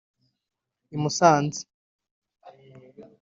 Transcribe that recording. i Musanze